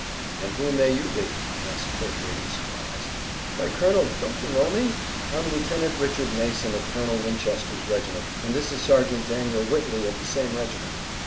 "And who may you be?" asked Hertford in surprise. "Why, Colonel, don't you know me? I'm Lieutenant Richard Mason of Colonel Winchester's regiment, and this is Sergeant Daniel Whitley of the same regiment."